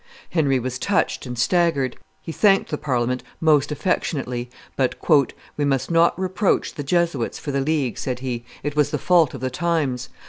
Henry was touched and staggered. He thanked the Parliament most affectionately; but, "We must not reproach the, Jesuits for the League," said he; "it was the fault of the times.